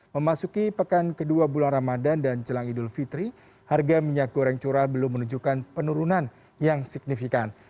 memasuki pekan kedua bulan ramadan dan jelang idul fitri harga minyak goreng curah belum menunjukkan penurunan yang signifikan